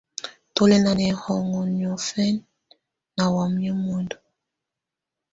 Tù lɛ̀ nà nɛhɔnɔ niɔ̀fɛna nà wamɛ̀á muǝndu.